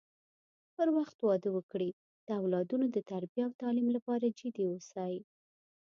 پر وخت واده وکړي د اولادونو د تربی او تعليم لپاره جدي اوسی